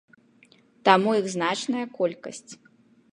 Таму іх значная колькасць.